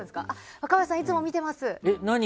若林さんいつも見てます。